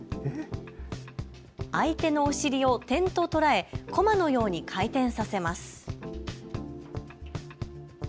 相手のお尻を点と捉え駒のように回転させます。